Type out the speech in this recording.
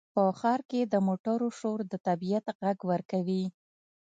په ښار کې د موټرو شور د طبیعت غږ ورکوي.